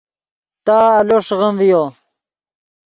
تا آلو ݰیغیم ڤیو